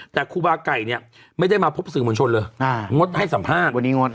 แต่ครูบาไก่เนี่ยไม่ได้มาพบสื่อมวลชนเลยงดให้สัมภาษณ์วันนี้งด